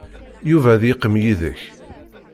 Yuba ad yeqqim yid-k.